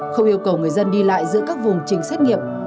không yêu cầu người dân đi lại giữa các vùng trình xét nghiệm